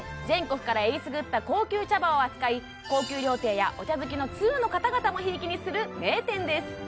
全国からえりすぐった高級茶葉を扱い高級料亭やお茶好きの通の方々もひいきにする名店です